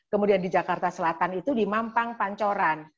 kemudian di jakarta selatan itu di mampang pancoran